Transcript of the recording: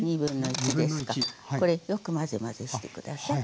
これよく混ぜ混ぜして下さい。